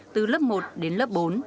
từ lớp một đến lớp bốn